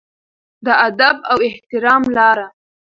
د ادب او احترام لاره.